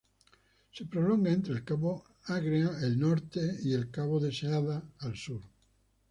Se prolonga entre el Cabo Agria, al norte y el Cabo Deseada al sur.